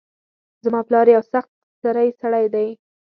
زما پلار یو سخت سرۍ سړۍ ده